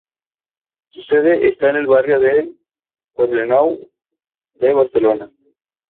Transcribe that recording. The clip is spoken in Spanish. Su sede está en el barrio del Poblenou de Barcelona.